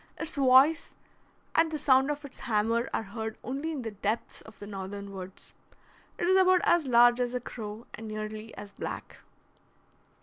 Its voice and the sound of its hammer are heard only in the depths of the northern woods. It is about as large as a crow, and nearly as black.